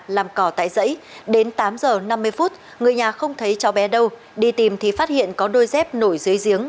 làm cỏ tại dãy đến tám giờ năm mươi phút người nhà không thấy cháu bé đâu đi tìm thì phát hiện có đôi dép nổi dưới giếng